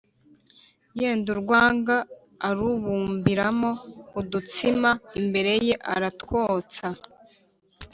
yenda urwanga arubumbiramo udutsima imbere ye, aratwotsa.